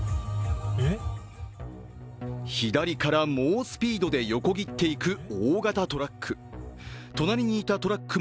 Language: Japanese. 左から猛スピードで横切っていく大型トラック。